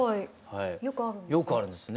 よくあるんですね。